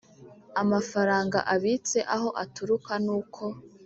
Amafaranga abitse aho aturuka n uko